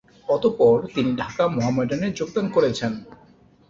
অতঃপর তিনি ঢাকা মোহামেডানে যোগদান করেছেন।